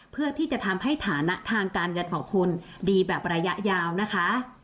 เพื่อที่จะทำให้ฐานะทางการเงินของคุณดีแบบระยะยาวนะคะ